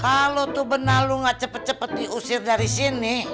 kalo tuh bena lu gak cepet cepet diusir dari sini